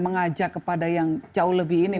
mengajak kepada yang jauh lebih ini